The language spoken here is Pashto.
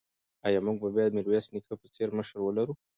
ایا موږ به بیا د میرویس نیکه په څېر مشر ولرو؟